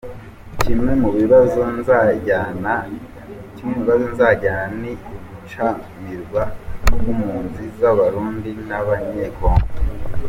Kimwe mu bibazo nzajyana ni ugucanirwa ku mpunzi z’Abarundi n’Abanyecongo.